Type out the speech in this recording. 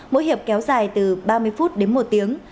mỗi hiệp kéo dài từ ba mươi phút đến một tiếng